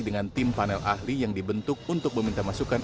dengan tim panel ahli yang dibentuk untuk meminta masukan